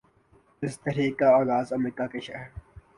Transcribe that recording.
اس تحریک کا آغاز امریکہ کہ شہر